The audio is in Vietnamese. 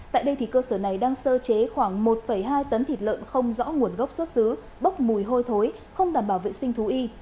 tại đây cơ sở này đang sơ chế khoảng một hai tấn thịt lợn không rõ nguồn gốc xuất xứ bốc mùi hôi thối không đảm bảo vệ sinh thú y